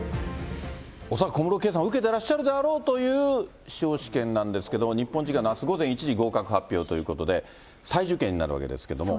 恐らく小室圭さん受けてらっしゃるであろうという司法試験なんですけども、日本時間のあす午前１時、合格発表ということで、再受験になるわけですけども。